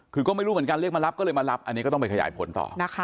คือก็ไม่รู้เหมือนกันเรียกมารับก็เลยมารับอันนี้ก็ต้องไปขยายผลต่อนะคะ